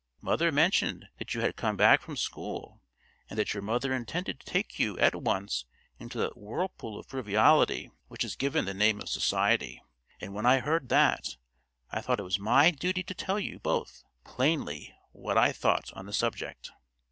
Mother mentioned that you had come back from school, and that your mother intended to take you at once into that whirlpool of frivolity which is given the name of Society; and when I heard that, I thought it was my duty to tell you both plainly what I thought on the subject."